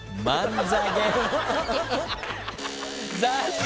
残念！